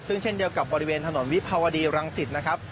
ซึ่งเช่นเดียวกับบริเวณถนนวิภาวดีรังสิตนะครับ